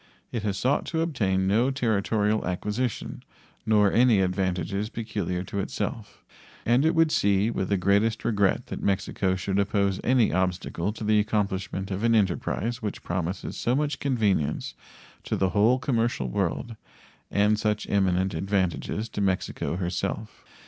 It has sought to obtain no territorial acquisition, nor any advantages peculiar to itself; and it would see with the greatest regret that Mexico should oppose any obstacle to the accomplishment of an enterprise which promises so much convenience to the whole commercial world and such eminent advantages to Mexico herself.